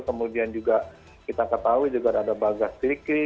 kemudian juga kita ketahui juga ada bagas tricky